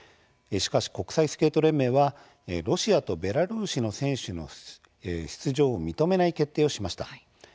しかし、国際スケート連盟はロシアとベラルーシの選手の出場を認めない決定をしました。